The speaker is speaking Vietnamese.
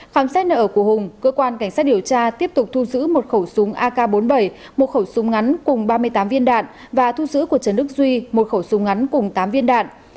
khám xét nợ ở của hùng cơ quan cảnh sát điều tra tiếp tục thu giữ một khẩu súng ak bốn mươi bảy một khẩu súng ngắn cùng ba mươi tám viên đạn và thu giữ của trần đức duy một khẩu súng ngắn cùng tám viên đạn